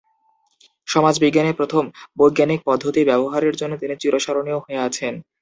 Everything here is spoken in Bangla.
সমাজবিজ্ঞানে প্রথম "বৈজ্ঞানিক পদ্ধতি" ব্যবহারের জন্য তিনি চিরস্মরনীয় হয়ে আছেন।